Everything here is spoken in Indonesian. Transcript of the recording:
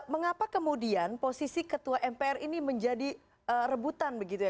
mengapa kemudian posisi ketua mpr ini menjadi rebutan begitu ya